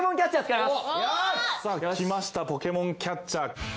さぁきましたポケモンキャッチャー。